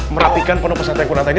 merapikan penuh pesantren pesantren ini